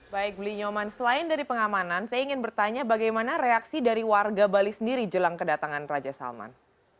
baik beli nyoman selain dari pengamanan saya ingin bertanya bagaimana reaksi dari warga bali sendiri jelang kedatangan raja salman